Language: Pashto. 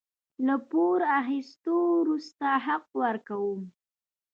له پور اخيستو وروسته حق ورکوو.